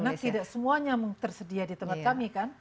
karena tidak semuanya tersedia di tempat kami kan